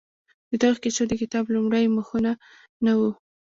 د دغو کیسو د کتاب لومړي مخونه نه وو؟